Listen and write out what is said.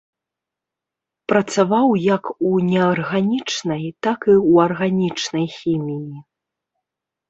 Працаваў як у неарганічнай, так і ў арганічнай хіміі.